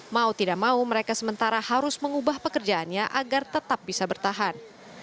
mau tidak mau mereka sementara harus mengubah pekerjaannya agar tetap bisa bertahan